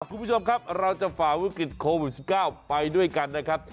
คุณผู้ชมครับเราจะฝ่าวิกฤตโควิด๑๙ไปด้วยกันนะครับ